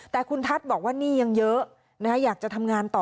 แต่คุณทัศน์บอกว่าหนี้ยังเยอะอยากจะทำงานต่อ